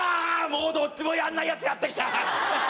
もうどっちもやんないやつやってきた！